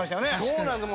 そうなんです。